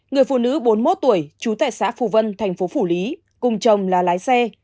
người phụ nữ bốn mươi một tuổi trú tại xã phù vân thành phố phủ lý cùng chồng là lái xe